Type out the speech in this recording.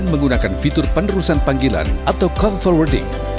jangan yuk jangan di forward